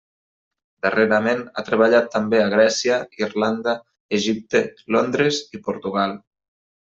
Darrerament ha treballat també a Grècia, Irlanda, Egipte, Londres i Portugal.